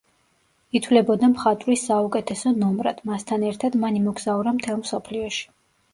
ითვლებოდა მხატვრის საუკეთესო ნომრად, მასთან ერთად მან იმოგზაურა მთელ მსოფლიოში.